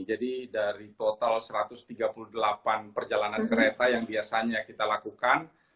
jadi dari total satu ratus tiga puluh delapan perjalanan kereta yang biasanya kita lakukan